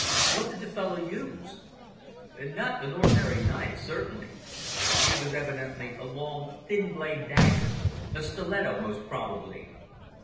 "What did the fellow use?" "Not an ordinary knife, certainly. It was evidently a long, thin bladed dagger a stiletto, most probably.